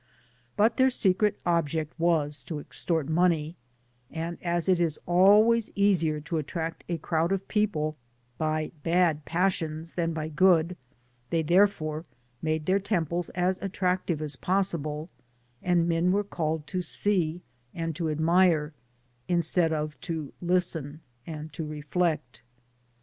But their secret object was to extort money ; and as it is always easier to attract a crowd of people by bad passiom than by good, they therefore made their temples as Digitized byGoogk 26 DESCEIPTIVE OUTLINE attractive as possible^ and men were called to sec and to admire, instead of to listen and to reflect.